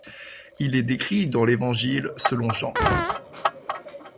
Il est décrit dans l'Évangile selon Jean.